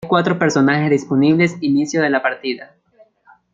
Hay cuatro personajes disponibles inicio de la partida.